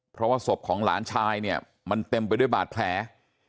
เพราะว่าศพของหลานชายเนี่ยมันเต็มไปด้วยบาดแผล